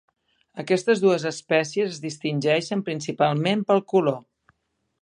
Aquestes dues espècies es distingeixen principalment pel color.